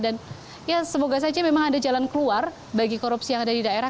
dan ya semoga saja memang ada jalan keluar bagi korupsi yang ada di daerah